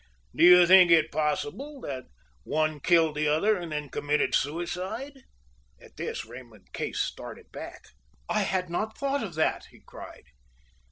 Do you think it possible that one killed the other and then committed suicide?" At this Raymond Case started back. "I had not thought of that!" he cried.